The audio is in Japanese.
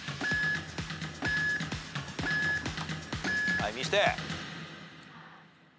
はい見して。